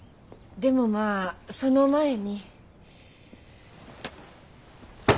でもまあその前に。